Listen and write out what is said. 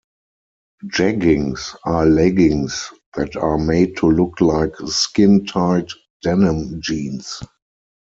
Jeggings are leggings that are made to look like skin-tight denim jeans.